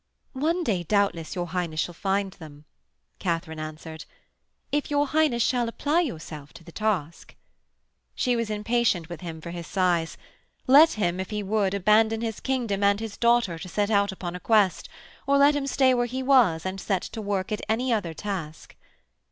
'One day, doubtless, your Highness shall find them,' Katharine answered, 'if your Highness shall apply yourself to the task.' She was impatient with him for his sighs. Let him, if he would, abandon his kingdom and his daughter to set out upon a quest, or let him stay where he was and set to work at any other task.